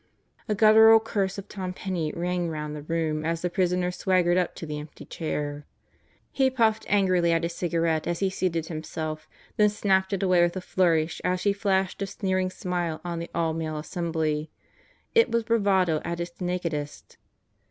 A guttural curse of Tom Penney rang round the room as the prisoner swaggered up to the empty chair. He puffed angrily at his cigarette as he seated himself, then snapped it away with a flourish as he flashed a sneering smile on the all male assembly. It was bravado at its nakedest.